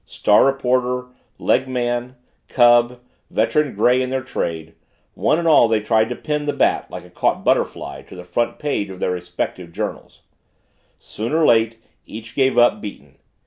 Star reporter, leg man, cub, veteran gray in the trade one and all they tried to pin the Bat like a caught butterfly to the front page of their respective journals soon or late each gave up, beaten.